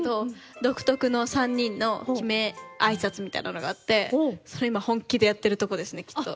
独特の３人のキメ挨拶みたいなのがあって本気でやってるとこですねきっと。